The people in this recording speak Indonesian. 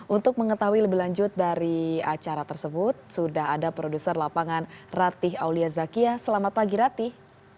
untuk mengetahui lebih lanjut dari acara tersebut sudah ada produser lapangan ratih aulia zakia selamat pagi ratih